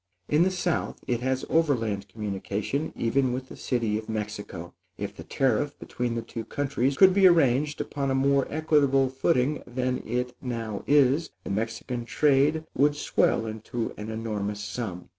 In the south it has overland communication even with the city of Mexico. If the tariff between the two countries could be arranged upon a more equitable footing than it now is, the Mexican trade would swell into an enormous sum.